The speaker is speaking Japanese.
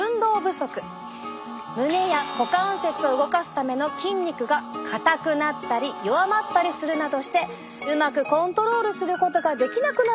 胸や股関節を動かすための筋肉が硬くなったり弱まったりするなどしてうまくコントロールすることができなくなってしまうんです。